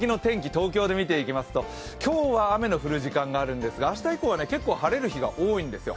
東京で見ていきますと今日は雨の降る時間があるんですけど明日以降は結構晴れる日が多いんですよ。